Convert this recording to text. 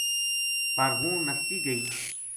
پر ہوں نَستی گئی